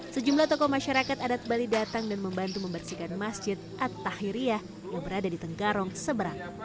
sejumlah tokoh masyarakat adat bali datang dan membantu membersihkan masjid at tahiriah yang berada di tenggarong seberang